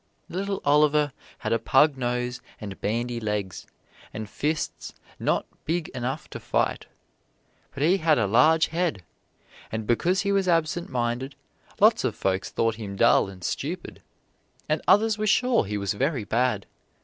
Little Oliver had a pug nose and bandy legs, and fists not big enough to fight, but he had a large head, and because he was absent minded, lots of folks thought him dull and stupid, and others were sure he was very bad.